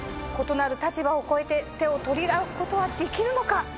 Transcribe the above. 異なる立場を超えて手を取り合うことはできるのか。